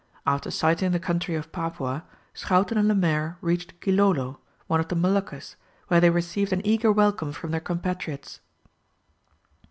After sighting the country of Papua, Schouten and Lemaire reached Gilolo, one of the Moluccas, where they received an eager welcome from their compatriots.